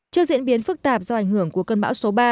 trước diễn biến phức tạp do ảnh hưởng của cơn bão số ba